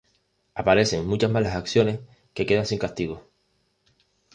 Aparecen muchas malas acciones que quedan sin castigo.